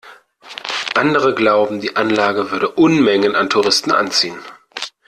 Andere glauben, die Anlage würde Unmengen an Touristen anziehen.